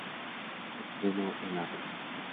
Estreno en la Rep.